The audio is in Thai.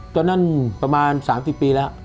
ตอนนั้นประมาณ๓๐ปีแล้ว